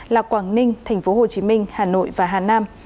là quảng ninh tp hcm hà nội và hà nam